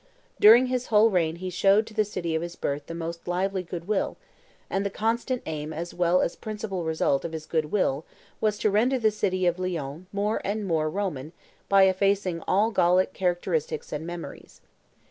During his whole reign he showed to the city of his birth the most lively good will, and the constant aim as well as principal result of this good will was to render the city of Lyons more and more Roman by effacing all Gallic characteristics and memories.